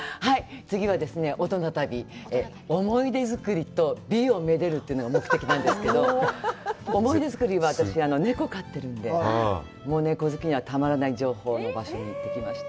次はですね、大人旅、思い出作りと“美をめでる”というのが目的なんですけど、思い出作りは私が猫飼ってるので、猫好きにはたまらない情報の場所に行ってきました。